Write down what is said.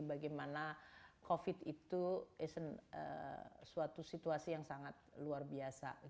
bagaimana covid itu suatu situasi yang sangat luar biasa